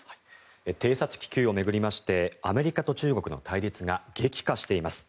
偵察気球を巡りましてアメリカと中国の対立が激化しています。